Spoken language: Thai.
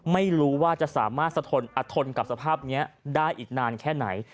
ไม่รู้ว่าจะสามารถสะทนกับสภาพนี้ได้อีกนานแค่ไหน